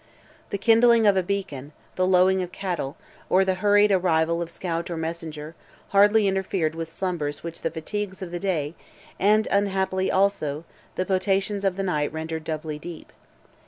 The kindling of a beacon, the lowing of cattle, or the hurried arrival of scout or messenger, hardly interfered with slumbers which the fatigues of the day, and, unhappily also, the potations of the night rendered doubly deep.